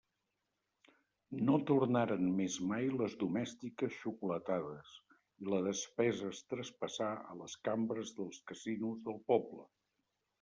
No tornaren més mai les domèstiques xocolatades, i la despesa es traspassà a les cambres dels casinos del poble.